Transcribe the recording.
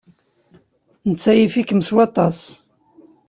Netta yif-ikem s waṭas.